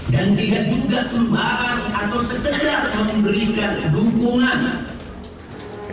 dan tidak juga sembahang atau segera memberikan dukungan